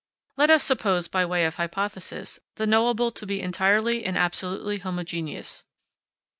Let us suppose, by way of hypothesis, the knowable to be entirely and absolutely homogeneous.